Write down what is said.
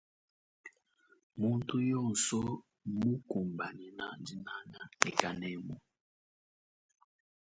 Muntu yonsu mmukumbanyina dinanga ne kanemu.